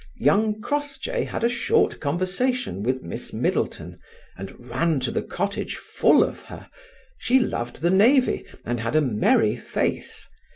Young Crossjay had a short conversation with Miss Middleton, and ran to the cottage full of her she loved the navy and had a merry face.